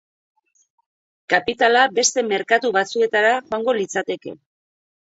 Kapitala beste merkatu batzuetara joango litzateke.